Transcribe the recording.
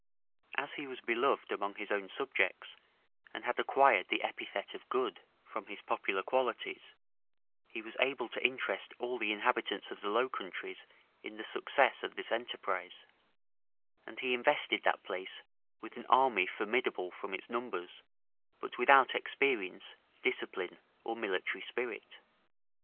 As he was beloved among his own subjects, and had acquired the epithet of Good, from his popular qualities, he was able to interest all the inhabitants of the Low Countries in the success of this enterprise; and he invested that place with an army formidable from its numbers, but without experience, discipline, or military spirit.